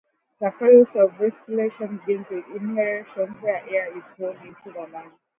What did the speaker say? The process of respiration begins with inhalation, where air is drawn into the lungs.